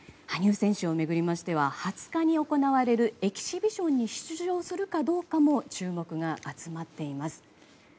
羽生選手を巡りましては２０日に行われるエキシビションに出場するかどうかも注目が集まっています。